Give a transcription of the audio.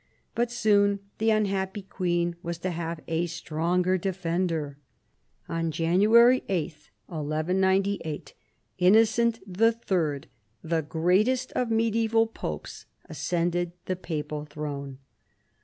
But soon the unhappy queen was to have a stronger defender. On January 8, 1198, Innocent III., the greatest of medieval popes, ascended the papal throne.